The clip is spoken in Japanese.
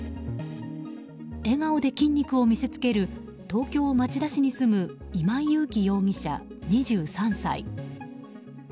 笑顔で筋肉を見せつける東京・町田市に住む今井友貴容疑者、２３歳。